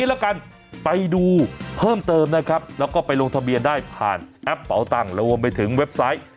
แล้วกันไปดูเพิ่มเติมนะครับแล้วก็ไปลงทะเบียนได้ผ่านแอปเป่าตังค์รวมไปถึงเว็บไซต์